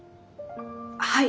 はい。